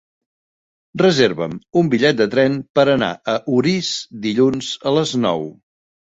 Reserva'm un bitllet de tren per anar a Orís dilluns a les nou.